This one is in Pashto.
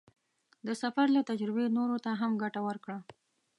د سفر له تجربې نورو ته هم ګټه ورکړه.